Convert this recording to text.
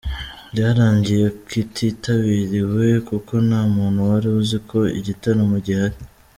Byarangiye kititabiriwe kuko nta muntu wari uzi ko igitaramo gihari.